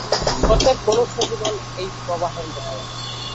প্রত্যেক মনুষ্য-জীবন এই প্রবাহের মত।